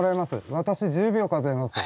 私１０秒数えます。